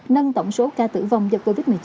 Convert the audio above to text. nâng tổng số ca tử vong do covid một mươi chín